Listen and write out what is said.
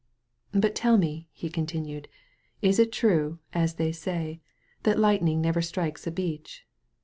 "But tell me,'* he continued, "is it true, as they say, that lightning never strikes a beech?"